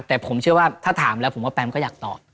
แต่ผมเชื่อว่าถ้าถามแล้วผมว่าแปมก็อยากตอบ